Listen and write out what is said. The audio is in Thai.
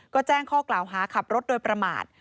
ก็แจ้งข้อกล่าวหาขับรถโดยประมาท